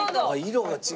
色が違う。